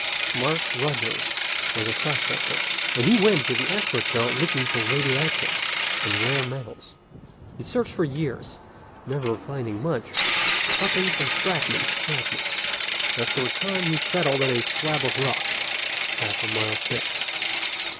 _ Mark Rogers was a prospector, and he went to the asteroid belt looking for radioactives and rare metals. He searched for years, never finding much, hopping from fragment to fragment. After a time he settled on a slab of rock half a mile thick.